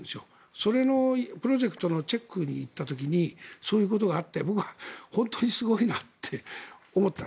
それのプロジェクトのチェックに行った時にそういうことがあって僕は本当にすごいなって思った。